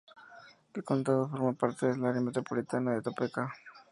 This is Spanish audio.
El condado forma parte del área metropolitana de Topeka.